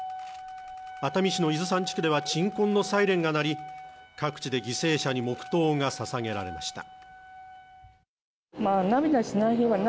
熱海市の伊豆山地区では鎮魂のサイレンが鳴り、各地で犠牲者に黙とうが捧げられました。